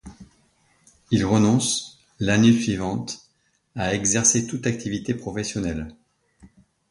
Il renonce, l'année suivante, à exercer toute activité professionnelle.